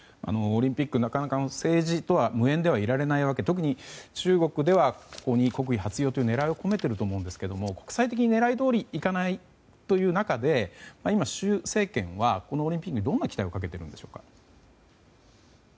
オリンピック、なかなか政治とは無縁でいられないわけで特に中国では国威発揚という狙いを込めていると思うんですが国際的に狙いどおりにいかないという中で今、習政権はこのオリンピックにどんな期待をかけているんでしょうか。